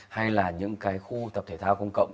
hay là những cái khu tập thể thao công cộng